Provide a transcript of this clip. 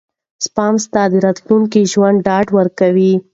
سپما ستا د راتلونکي ژوند ډاډ ورکوي.